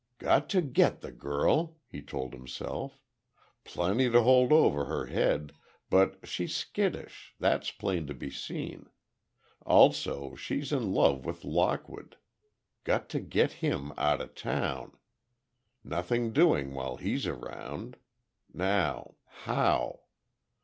"Got to get the girl," he told himself. "Plenty to hold over her head—but she's skittish, that's plain to be seen. Also, she's in love with Lockwood. Got to get him out of town. Nothing doing while he's around. Now, how?